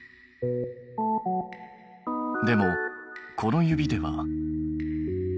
でもこの指では。